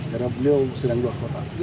karena beliau sedang keluar kota